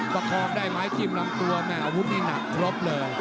ประคองได้ไหมจิ้มลำตัวแม่อาวุธนี่หนักครบเลย